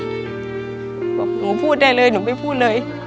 หนูพูดได้เลยหนูไม่พูดเลย